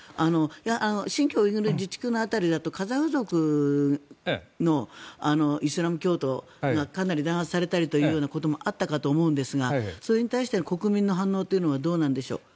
新疆ウイグル自治区の辺りだとカザフ族のイスラム教徒がかなり弾圧されたりということもあったかと思うんですがそれに対して国民の反応ってのはどうなんでしょう。